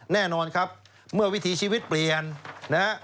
แน่นอนครับเมื่อวิธีชีวิตเปลี่ยนนะฮะ